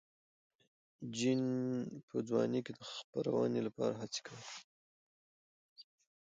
جین په ځوانۍ کې د خپرونې لپاره هڅې کولې.